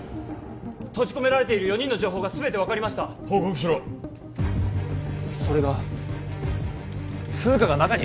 閉じ込められている四人の情報がすべて分かりました報告しろそれが涼香が中に？